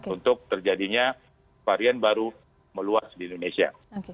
untuk terjadinya varian baru meluas di indonesia